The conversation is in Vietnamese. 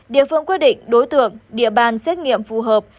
địa phương quyết định đối tượng địa bàn xét nghiệm phù hợp